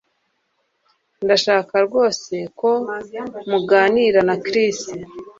Ndashaka rwose ko muganira na Chris